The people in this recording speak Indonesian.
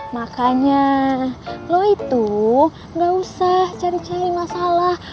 makanya lo itu gak usah cari cari masalah